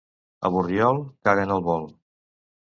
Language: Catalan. A Borriol, caguen al vol.